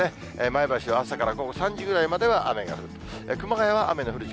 前橋は朝から午後３時ぐらいまでは雨が降る。